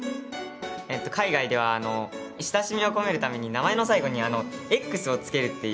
海外では親しみを込めるために名前の最後に「Ｘ」をつけるっていうことを習ったんですよ。